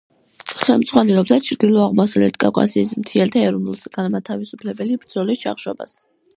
ხელმძღვანელობდა ჩრდილო-აღმოსავლეთ კავკასიის მთიელთა ეროვნულ-განმათავისუფლებელი ბრძოლის ჩახშობას.